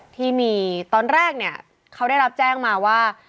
ที่มีตอนแรกเนี่ยเขาได้รับแจ้งมาว่า